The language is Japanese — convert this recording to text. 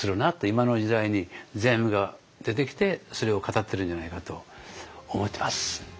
今の時代に世阿弥が出てきてそれを語ってるんじゃないかと思ってます。